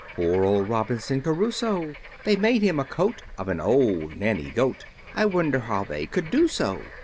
Poor old Robinson Crusoe! They made him a coat Of an old nanny goat I wonder how they could do so!